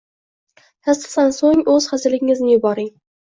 - Tasdiqdan so'ng, o'z hazilingizni yuboring!